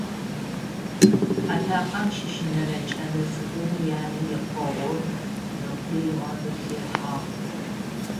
Атакъэм щыщынэрэ кӀэлэ цӀыкӀум янэ икъогъу зыкъуигъэбылъыхьагъ.